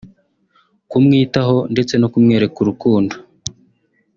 kumwitaho ndetse no kumwereka urukundo